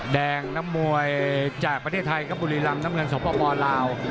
น้ำมวยจากประเทศไทยครับบุรีรำน้ำเงินสปลาว